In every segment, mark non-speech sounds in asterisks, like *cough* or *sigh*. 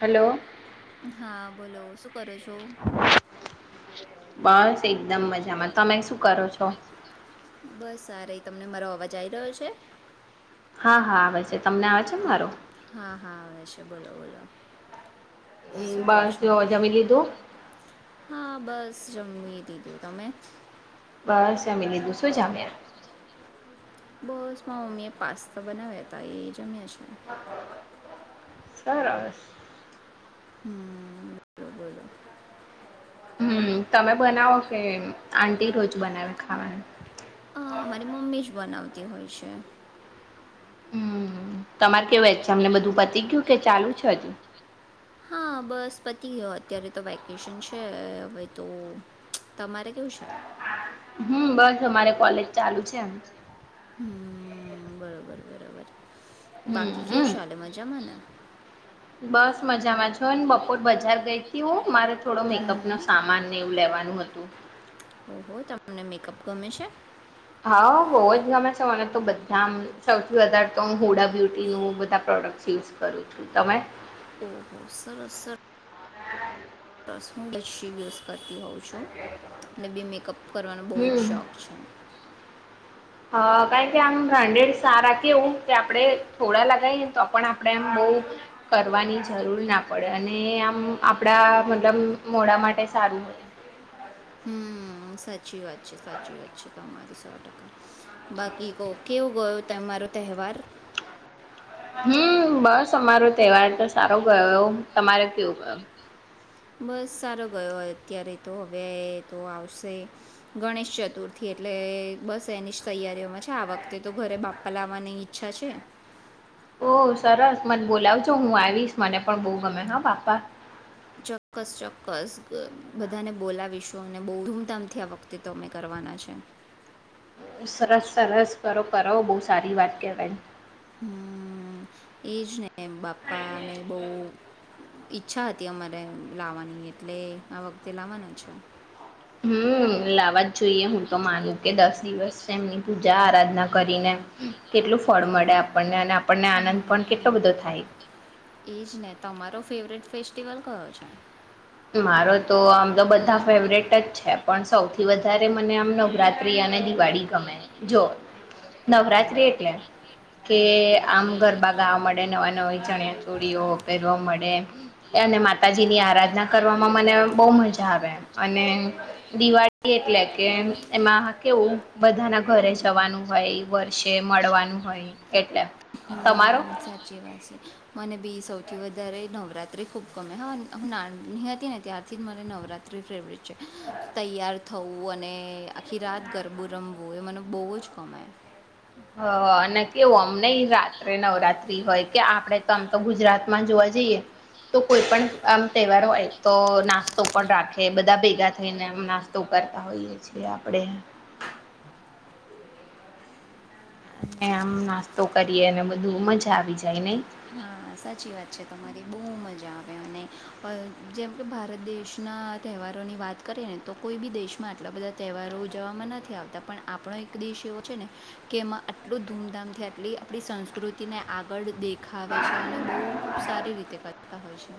Hello. હા બોલો શું કરો છો? તે એકદમ મજામાં. તમે શું કરો છો? બસ આ રઈ, તમને મારો અવાજ આઈ રહ્યો છે? હા હા આવે તમને આવે છે મારો? ચ બોલો બોલો. હમ શું કહો બસ છો? જોવા જમી લીધું. હા, બસ જમી દીધું તમે? બસ મ લી દુંસો જામ્યા. બસ મા મમ્મી એ પાસ્તા બનાવ્યા હતા એ જમ્યા છે. સરસ. હમ બોલો બોલો. હમ તમે બનાવો કે આટી રોજ બનાવે ખાવાનું. હ અમારી મમ્મી જ બનાવતી. અતી હોય છે. હમ તમાર કેવા તમને બધું પતી ગયું કે ચાલુ છે જ. હા બસ પતિ ગયો અત્યારે તો વેકેશન છે હવે તો. તમારે કેવું છે? હમ્મ બસ અમારે કોલેજ ચાલુ છે એમ. હમ્મ બરાબર બરાબર. બાકી કેવુ હમ શાલે મજામાંને. બસ મજામાં છ ને બપોર બજાર ગઈ હું મારે થોડો મેકઅપ હમ્મ. નો સામાન ને એવું લેવાનું. *unintelligible* ઓહ તમને મેકઅપ ગમે છે? હા બહુ જ ગમે છે મને તો બધા આમ સૌથી વધારે તો હ હુડા બ્યુટીનું બધા પ્રોડક્ટ યુઝ કરું છું. તમે? ઓહો સરસ સર રસ *unintelligible* કરતી હોઉં છું અને બી મેકઅપ કરવાનો બહુ જ હમ શોખ છે. અ કારણ કે આમ બ્રાન્ડેડ સારા કેવું કે આપણે થોડા લગાવીએ તો પણ આપણે આમ બહ કરવાની જરૂર ના પડે અને આમ આપડા મતલબ મોડા માટે સારું હોય. હમ્મ સાચી વાત છે સાચી વાત છે તમારી. સો ટકા. બાકી કહ કેવો ગયો. તમારો તહેવાર. હમ્મ બસ અમારો તહેવાર તો સારો ગયો એવ તમારે કેવું ગયો. બસ સારો ગયો અત્યારે તો હવે તો આવશે ગણેશ ચતુર્થી એટલે બસ એની જ તૈયારીઓમાં છે આ વખતે તો ઘરે બાપ્પા લાવવાની ઈચ્છા છે. ઓ સરસ મને બોલાવજો હું આવીશ મને પણ બહુ ગમે હા બાપા. ચોક્કસ ચોક્કસ બધાને બોલાવીશું અને બહુ ધૂમધામથી આ વખતે તો અમે કરવાના છે. સરસ સરસ કરો કરો બહુ સારી વાત કેવાય. હમ્મ એજ ને. એમ બાપ્પાને બહુ ઈચ્છા હતી અમારે લાવવાની એટલે આ વખતે લાવવાનો છે. હમ્મ લાવવા જ જોઈએ હું તો માનું કે દસ દિવસ એમની પૂજા આરાધના કરીને કેટલું ફળ મળે આપણને અને આપણને આનંદ પણ કેટલો બધો થાય એજ ને તમારો ફેવટ ફસ સ્ટીિવલ કયો છે? મારો તો આમ તો બધા ફેવરેટ જ છે. છે પણ સૌથી વધારે મને આમ નવરાત્રી અને દિવાળી ગમે. જો નવરાત્રી એટલે કે આમ ગરબા ગાવા મળે નવાનવ ચણિયા કોળિયો પહેરવા મળે. અને માતાજી ની આરાધના કરવામાં મને બહુ મજા આવે અને દિવાળી એટલે કે એમાં કેવું બધાના ઘરે જવાનું હોય વર્ષે મળવાનું હોય એટલે. તમારો? હમ સાચી વાત છે. મને બી સૌથી વધારે નવરાત્રિ ખૂબ ગમે હા હ નાની હતી ને ત્યારથી જ મને નવરાત્રિ ફેવરેટ. તૈયાર થવું અને આખી રાત ગરબું રમવું એ મને બહુ જ ગમે. હ અને કેવું આમ નહી રાત્રે નવરાત્રી હોય કે આપણેે તો આમ તો ગુજરાતમાં જોવા જઈએ તો કોઈ પણ આમ તહેવાર હોય તો નાસ્તો પણ રાખે બધા ભેગા થઈનેમ નાસ્તો કરતા હોઈએ છીએ આપણે. અને આમ નાસ્તો કરીએ અને બધું મજા આવી જાય નહી. હા સાચી વાત છે તમારી બહુ મજા આવે. ન જેમ કે ભારત દેશના તહેવારોની વાત કરીએ ને તો કોઈ બી દેશમાં આટલા બધા તહેવારો ઉજવવામાં નથી આવતા પણ આપણો એક દેશ એવો છે ને કે એમાં આટલું ધૂમધામથી આટલી આપણી સંસ્કૃતિને આગળ દે. ખાવે છે. બહુ ખૂબ સારી રીતે કરતા હોય છે.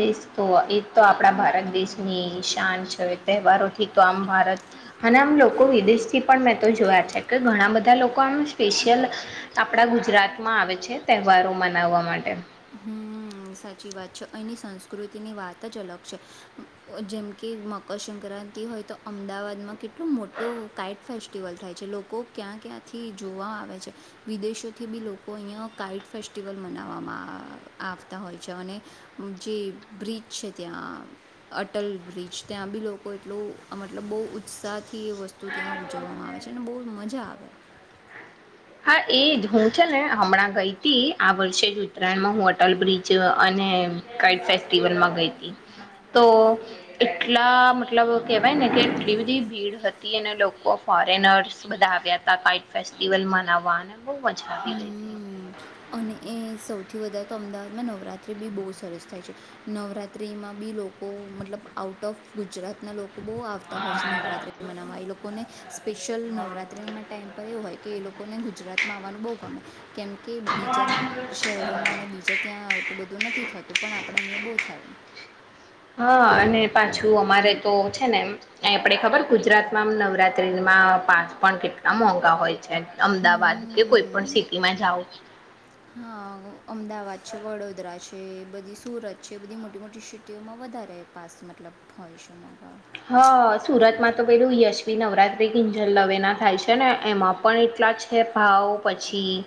એજ તો એજ તો આપણા ભારત દેશની શા છે તહેવારો ઠક તો આમ ભારત અને આમ લોકો વિદેશથી પણ મેં તો જોયા છે ઘણા બધા લોકો આમ સ્પેશિયલ આપણા ગુજરાતમાં આવે છે તહેવારો મનાવવા માટે હ સાચી વાત છે અહીંની સંસ્કૃતિની વાત જ અલગ છે જેમકે મકરસંક્રાંતિ હોય તો અમદાવાદમાં કેટલો મોટો કાાઈટ ફેસ્ટિવલ થાય છે લોકો ક્યાં ક્યાંથી જોવા આવે છે વિદેશોથી બી લોકો અહીંયા કાાઈટ ફેસ્ટિવલ મનાવવામાં આવે. આવતા હોય છે અને જે બ્રિજ છે ત્યાં અટલ બ્રિજ ત્યાં બી લોકો એટલું મતલબ બહુ ઉત્સાહથી એ વસ્તુ ત્યાં ઉજવવામાં આવે છે અને બહુ મજા આવે. હા એજ હું છે ને હમણાં ગઈ હતી આ વર્ષે જ ઉત્તરાયણમાં હું અટલ બ્રિજ અને કાઈટ ફેસ્ટિવલમાં ગઈ હતી તો એટલા મતલબ કેહેવાય ને કે એટલી બધી ભીડ હતી અને લોકો ફોરેનર્સ બધા આવ્યા હતા કાઇટ ફેસ્ટિવલ વાન બો મજા આવી ગઈ હતી હમ્મ. અને એ સૌથી વધારે તો અમદાવાદમાં નવરાત્રિ બી બહુ સરસ થાય છે નવરાત્રિમાં બી લોકો મતલબ આઉટ ઓફ ગુજરાતના લોકો બહુ આવતા હોય છે નવરાત્રિ મનાવવા એ લોકોને સ્પેશિયલ નવરાત્રિના ટાઈમ પર એવું હોય કે એ લોકો લોકોને ગુજરાતમાં મને બોહ ગમે કેમ કે બીજા શહેરોમાં ને બીજા ત્યાં ઓટલુ બધું નથી થતું પણ આપણે અન્ય બહુ થાય હા હમ અને પાછું અમારે તો છે ને એમ એ આપણે ખબર ગુજરાતમાંમ નવરાત્રિમાં પાસ પણ કેટલા મોંઘા હોય છે અમદાવાદ કે કોઈ પણ સિટીમાં જાઓ હા અમદાવાદ છે વડોદરા છે પછી સુરત છે બધી મોટી મોટી સિટીઓમાં વધારે પાસ મતલબ હોય છે એ હા સુરતમાં તો પેલું યશ્વી નવરાત્રી કિંજલ દવેના થાય છે ને એમાં પણ એટલા છે ભાવ પછી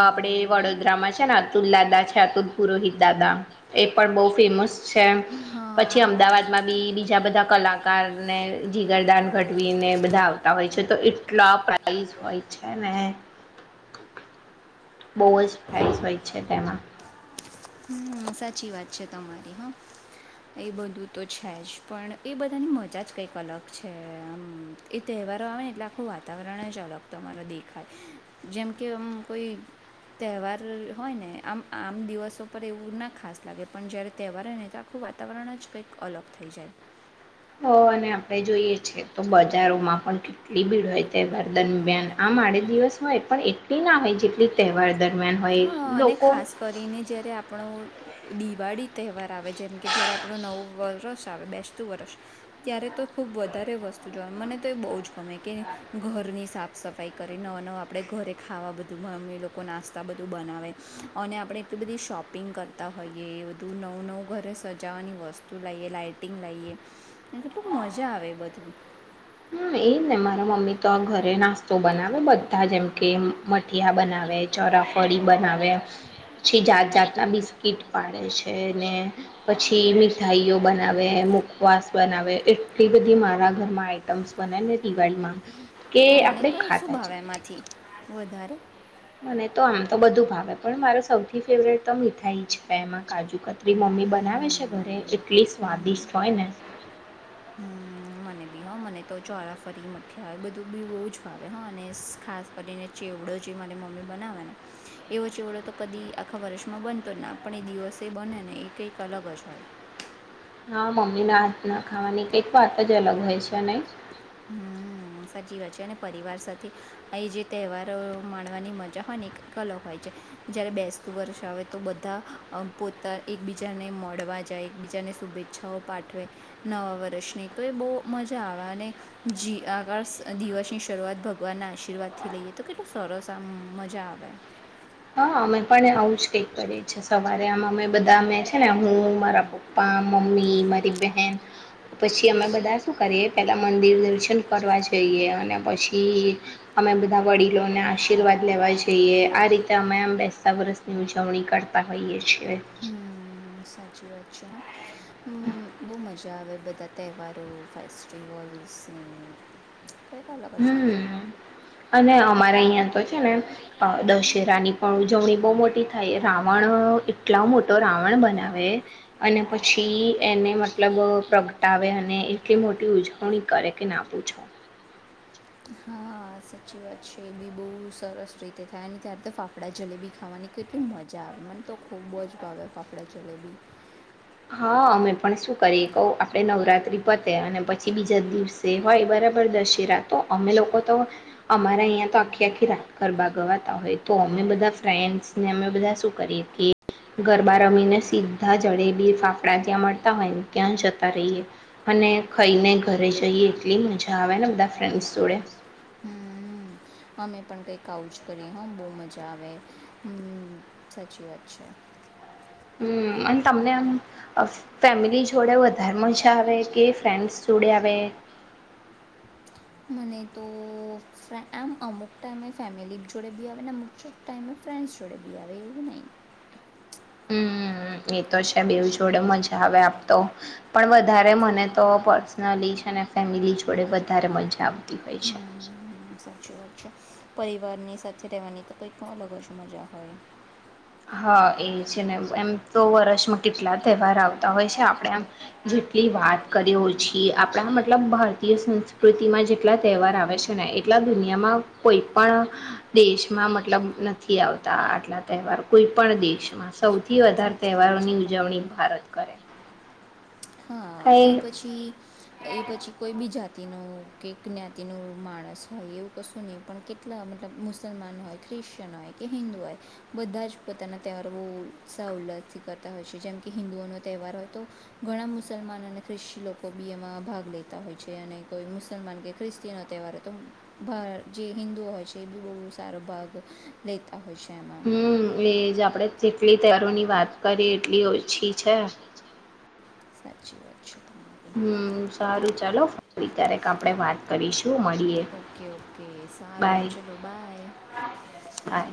આપડે વડોદરામાં છે ને અતુલ દાદા છે અતુલ પુરોહિત દાદા એ પણ બહ ફેમસ છે પછી હા અમદાવાદમાં બી બીજા બધા *unintelligible* ને જીગરદાન ઘડવીને બધા આવતા હોય છે તો એટલા પ્રઇઝ હોય છે ને બહુ જ પ્રાઈસ હોય છે તેમાં હમ સાચી વાત છે તમારી હા એ બધું તો છે જ પણ એ બધાની મજા જ કંઈક અલગ છે આમ એ તહેવારો આવે ને એટલે આખું વાતાવરણ જ અલગ તમારો દેખાય જેમ કે આમ કોઈ તહેવાર હોય ને આમ આમ દિવસો પર એવું ના ખાસ લાગે પણ જ્યારે તહેવાર હોય ને તો આખું વાતાવરણ જ કંઈક અલગ થઈ જાય. હ અને આપણે જોઈએ છેએ તો બજારોમાં પણ કેટલી ભીડ હોય તહેવાર દરમિયાન આમઆડે દિવસ હોય પણ એટલી ના હોય જેટલી તહેવાર દર હા અને ખાસ કરીને જયારે આપણો દિવાળી તહેવાર આવે જેમ કે જ્યારે આપણો નવું વરષ આવે બેસતું વરષ ત્યારે તો ખૂબ વધારે વસ્તુ જોવા મને તો એ બહુ જ ગમે કે ઘરની સાફ સફાઈ કરી નવા નવા આપણે ઘરે ખાવા બધું મ એ લોકો નાસ્તા બધું બનાવે અને આપણે એટલી બધી શોપિંગ કરતા હોઈએ એ બધું નવું નવું ઘરે સજાવાની વસ્તુ લાઈએ લાઈટિંગ લાઈએ અને કેટલું મજા આવે બધું. હમ એ ને મારા મમ્મી તો ઘરે નાસ્તો બનાવે બધા જેમ કે મઠિયા બનાવે ચોરાફળી બનાવે પછી જાત જાતના બિસ્કીટ પાડે છે ને પછી મીઠાઈઓ બનાવે મુખવાસ બનાવે એટલી બધી મારા ઘરમાં આઈ આઇટમસ બંનેને દિવાળીમાં તમને આપણે કઈ શું ખાતા છે ભાવે એમાંથી વધારે મને તો આમ તો બધું ભાવે પણ મારો સૌથી ફેવરેટ તો મીઠાઈ છે એમાં કાજુકત મારી મમ્મી બનાવે છે ઘરે હમ એટલી હમ હમ. સ્વાદિષ્ટ હોય ને હ મને તો ચોરાફળી મઠિયા બધું બી બહુ જ ભાવે હ અને ખાસ કરીને ચેવડો જે મારી મમ્મી બનાવે ને એવો ચેવડો તો કદી આખા વર્ષમાં બનતો જ ના પણ એ દિવસે બને ને એક કંઈક અલગ જ હોય હા મમ્મીના હાથ ના ખાવાની કંઈક વાત જ અલગ હોય છે નઈ હ સાચી વાત છે અને પરિવાર સાથે એ જે તહેવારો માણવાની મજા હોય ને એ ક અલગ હોય છે જયારે બેસતું વર્ષ આવે તો બધા પોતા એકબીજાને મળવા જાય એકબીજાને શુભેચ્છાઓ પાઠવે નવા વર્ષની તો એ બહુ મજા આવે અને જી *unintelligible* દિવસની શરૂઆત ભગવાનના આશીર્વાદથી લઈએ તો કેટલું સરસ આમ મજા આવે હામ. આવું જ કઈક કરે છે સવારે. મે બધા છે ને હું મારા પપ્પા મમ્મી મારી બેહેન પછી અમે બધા શું કરીએ પેલા મંદિર દર્શન કરવા જઈએ અને પછી અમે બધા વડીલોને આશીર્વાદ લેવા જઈએ આ રીતે. તમામ બેતા વરસની ઉજવણી કરતા હોઈએ છીએ. હમ્મ. સાચી વાત છે હા બહુ મજા આવે બધા તહેવારો ફેસ્ટિવલ્સની. કંઈક અલગ જ મજા હોય. હમ અને અમારે અહિયાં તો છે ને અ દશેરા ની પણ ઉજવણી બહુ મોટી થાય. રાવણ એટલો મોટો રાવણ બનાવે અને પછી એને મતલબ પ્રગ ટાવે અને એટલી મોટી ઉજવણી કરે કે ના પૂ છો. હા સાચી વાત છે એ બી બહુ સરસ રીતે થાય અને ત્યારે તો ફાફડા જલેબી ખાવાની કેટલી મજા આવે મને તો ખૂબ જ ભાવે ફાફડા જલેબી. હા અમે પણ શું કરીએ કહ આપણે નવરાત્રિ પતે અને પછી બીજા દિવસે હોય બરાબર દશેરા તો અમે લોકો તો અમારા અહીંયા તો આખી આખી રાત ગરબા ગવાતા હોય તો અમે બધા ફ્રેન્ડ્સને અમે બધા શું કરીએ કે ગરબા રમીને સીધા જડે બી. ફાફડા ત્યાં મળતા હોય ને ત્યાં જતા રહીએ અને ખઈને ઘરે જઈએ એટલી મજા આવે ને બધા ફ્રેન્ડ જોડે હમ અમે પણ કઈક આવું જ કરી હ બહુ મજા આવે હ સાચી વાત છે. હમ અને તમને આમ ફેમિલી જોડે વધારે મજા આવે કે ફ્રેન્ડસ જોડે આવે મને તો ફેન્ડ એમ અમુક ટાઈમે ફેમિલી જોડે બી આવે ને અમુક ટાઈમે ફ્રેન્ડસ જોડે બી આવે એવું નહી હમ એ તો છે બેવ જોડે મજા આવે આપતો પણ વધારે મને તો પર્સનલી છે ને ફેમિલી જોડે વધારે મજા આવતી હોય છે. હમ સાચી વાત છે પરિવારની સાથે રહેવાની તો કંઈક અલગ જ મજા હોય હા એ છે ને એમ તો વર્ષમાં કેટલા તહેવાર આવતા હોય છે આપણે આમ જેટલી વાત કરીએ ઓછી આપણા મતલબ ભારતીય સંસ્કૃતિમાં જેટલા તહેવાર આવે છે ને એટલા દુનિયામાં કોઈ પણ દેશમાં મતલબ નથી આવતા આટલા તહેવારો કોઈ પણ દેશમાં સૌથી થી વધારે સાચી વાત છે તહેવારોની ઉજવણી તમારી ભારત કરે હા એ કઈ પછી એ પછી કોઈ બી જાતિનું કે જ્ઞાતિ ન માણસ હોય એવું કશું નહીં પણ કેટલા મતલબ મુસલમાન હોય ખ્રિશ્ચયન હોય કે હિન્દુ હોય બધા જ પોતાના તહેવાર બહુ સાવલ્થી કરતા હોય છે જેમ કે હિન્દુઓનો તહેવાર હોય તો ઘણા મુસલમાન અને ખ્રિસ્તી લોકો બી એમાં ભાગ લેતા હોય છે અને કોઈ મુસલમાન કે ખ્રિસ્તીનો તહેવાર તો ભા જે હિન્ંદુઓ હોય છે એ બી બહુ સારો ભાગ લેતા હોય છે એમાં હમ એજ આપડે જેટલી તહેરોની વાત કરીએ એટલી ઓછી છે. જી વા છેતા હમ સારું ચાલો ફરી ક્યારેક આપડે વાત કરીશ ઓકે ઓકે સારું બાય ચલો બાય બાય.